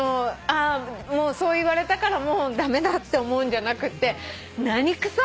そう言われたからもう駄目だって思うんじゃなくて何くそ！